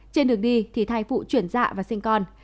trên đường đi thì thai phụ chuyển dạ và sinh con